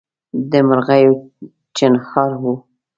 د مرغیو چڼهار وو